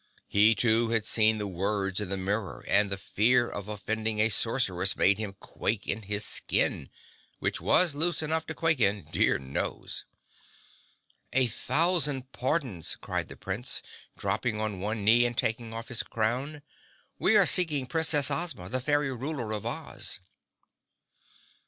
He, too, had seen the words in the mirror and the fear of offending a Sorceress made him quake in his skin—which was loose enough to quake in, dear knows! "A thousand pardons!" cried the Prince, dropping on one knee and taking off his crown. "We were seeking Princess Ozma, the Fairy Ruler of Oz."